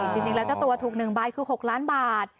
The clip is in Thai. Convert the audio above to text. จริงแล้วเจ้าตัวถูก๑ใบคือ๖ล้านบาท